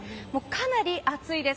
かなり暑いです。